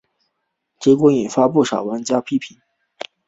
结果引发不少玩家批评。